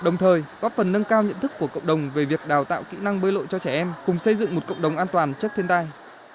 đồng thời góp phần nâng cao nhận thức của cộng đồng về việc đào tạo kỹ năng bơi lội cho trẻ em cùng xây dựng một cộng đồng an toàn trước thiên tai